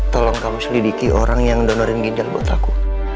tolong kamu selidiki orang yang donorin ginjal buat aku